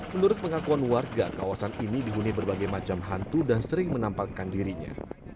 menurut pengakuan warga kawasan ini dihuni berbagai macam hantu dan sering menampakkan dirinya